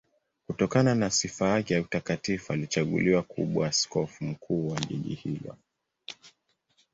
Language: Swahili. Kutokana na sifa yake ya utakatifu alichaguliwa kuwa askofu mkuu wa jiji hilo.